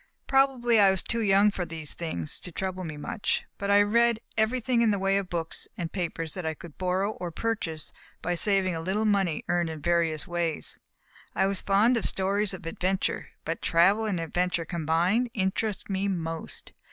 Probably I was too young for these things to trouble me much; but I read everything in the way of books and papers that I could borrow, or purchase by saving a little money earned in various ways. I was fond of stories of adventure; but travel and adventure combined, interested me most.